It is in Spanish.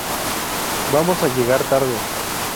Vamos a llegar tarde."".